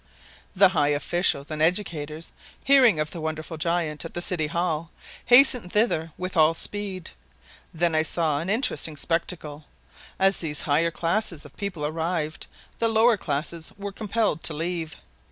The high officials and educators, hearing of the wonderful giant at the city hall, hastened thither with all speed. Then I saw an interesting spectacle. As these higher classes of people arrived, the lower classes were compelled to leave.